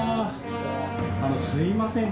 あのすいません